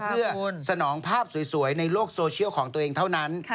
เพื่อสนองภาพสวยในโลกโซเชียลของตัวเองเท่านั้น